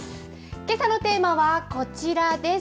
けさのテーマはこちらです。